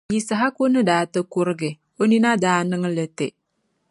Yisahaku ni daa ti kurigi, ka o nina niŋ liti.